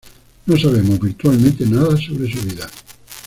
No sabemos virtualmente nada sobre su vida.